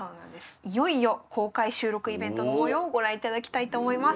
いよいよ公開収録イベントの模様をご覧いただきたいと思います。